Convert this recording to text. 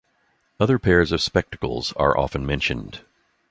Other pairs of spectacles are often mentioned.